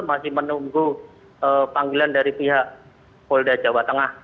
masih menunggu panggilan dari pihak polda jawa tengah